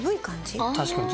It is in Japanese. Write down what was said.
確かに。